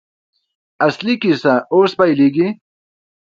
اصلي کیسه اوس پیلېږي.